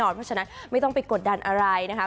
เพราะฉะนั้นไม่ต้องไปกดดันอะไรนะคะ